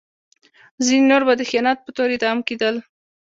ځینې نور به د خیانت په تور اعدام کېدل.